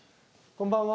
こんばんは。